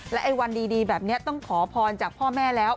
ไอ้วันดีแบบนี้ต้องขอพรจากพ่อแม่แล้ว